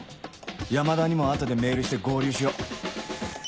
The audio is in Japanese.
山田にも後でメールして合流しよう